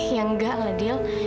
ya nggak lah dil